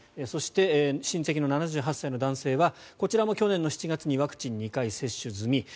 そして、親戚の７８歳の男性はこちらも去年の７月にワクチン２回接種済み。